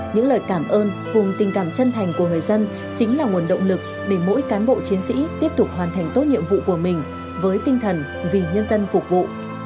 những lời cảm ơn cùng tình cảm chân thành của người dân chính là nguồn động lực để mỗi cán bộ chiến sĩ tiếp tục hoàn thành tốt nhiệm vụ của mình với tinh thần vì nhân dân phục vụ